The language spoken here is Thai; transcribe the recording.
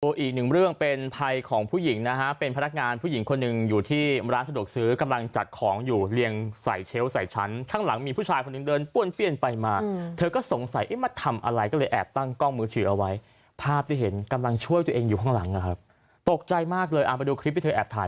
อีกหนึ่งเรื่องเป็นภัยของผู้หญิงนะฮะเป็นพนักงานผู้หญิงคนหนึ่งอยู่ที่ร้านสะดวกซื้อกำลังจัดของอยู่เรียงใส่เชลล์ใส่ชั้นข้างหลังมีผู้ชายคนหนึ่งเดินป้วนเปี้ยนไปมาเธอก็สงสัยเอ๊ะมาทำอะไรก็เลยแอบตั้งกล้องมือถือเอาไว้ภาพที่เห็นกำลังช่วยตัวเองอยู่ข้างหลังนะครับตกใจมากเลยเอาไปดูคลิปที่เธอแอบถ่าย